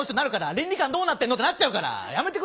倫理観どうなってんの？ってなっちゃうからやめてくれよ。